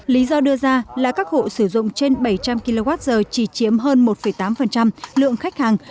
lý do đưa ra là các hộ sử dụng trên bảy trăm linh kwh chỉ chiếm hơn một tám lượng khách hàng